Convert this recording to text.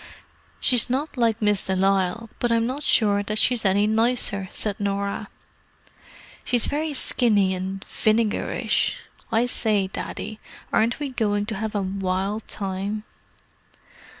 "She's not like Miss de Lisle, but I'm not sure that she's any nicer," said Norah. "She's very skinny and vinegarish. I say, Daddy, aren't we going to have a wild time!"